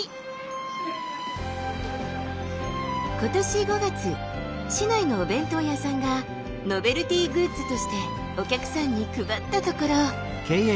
今年５月市内のお弁当屋さんがノベルティーグッズとしてお客さんに配ったところ。